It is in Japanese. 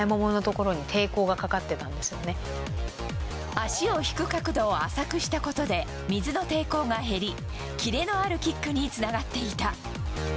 足を引く角度を浅くしたことで水の抵抗が減りキレのあるキックにつながっていた。